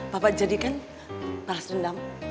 bapak jadikan balas dendam